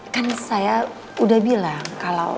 kan saya udah bilang kalau